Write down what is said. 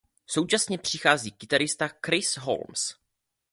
Současně přichází kytarista Chris Holmes.